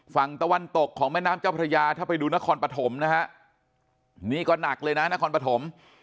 ฝั่งตะวันตกของแม่น้ำเจ้าพระยาถ้าไปดูนครปฐมนะฮะนี่ก็หนักเลยนะนครปฐม